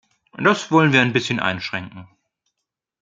Das wollen wir ein bisschen einschränken.